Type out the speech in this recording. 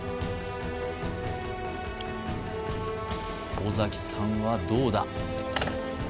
尾崎さんはどうだ？